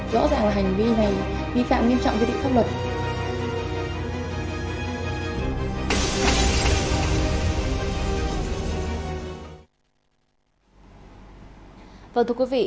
đã bị phá hủy